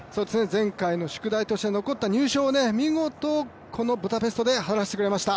前回の宿題として残った入賞をね、見事このブダペストで果たしてくれました。